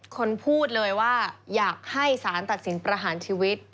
คนพูดเลยว่าอยากให้สารตัดสินประหารชีวิต